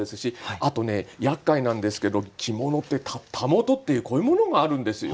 あとねやっかいなんですけど着物ってたもとっていうこういうものがあるんですよ。